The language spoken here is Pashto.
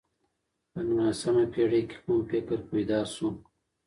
په نولسمه پېړۍ کي کوم فکر پيدا سو؟